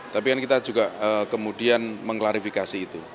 tapi kan kita juga kemudian mengklarifikasi itu